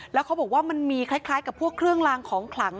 แล้วเขาบอกว่ามันมีคล้ายกับพวกเครื่องลางของขลัง